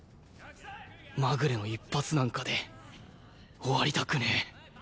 まぐれの一発なんかで終わりたくねえ！